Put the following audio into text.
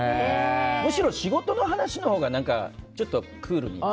むしろ仕事の話のほうがちょっとクールに。